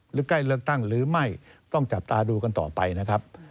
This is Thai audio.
ใกล้เลือกตั้งหรือไม่ต้องจับตาดูกันต่อไปนะครับ